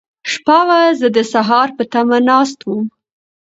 شپه وه، زه د سهار په تمه ناست وم.